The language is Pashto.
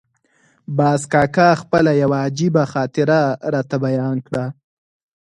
باز کاکا خپله یوه عجیبه خاطره راته بیان کړه.